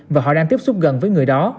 và họ đang tiếp xúc gần với người đó